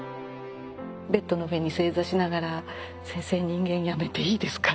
ベッドの上に正座しながら「先生人間やめていいですか？」